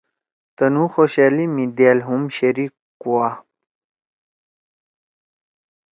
تنُو خوشحألی می دأل ہُم شریک کُوا۔